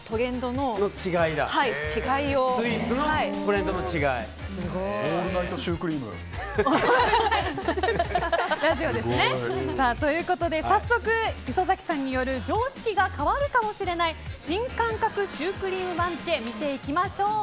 オールナイトシュークリーム。ということで早速、磯崎さんによる常識が変わるかもしれない新感覚シュークリーム番付を見ていきましょう。